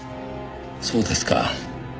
そうですか。